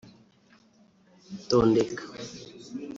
Tondeka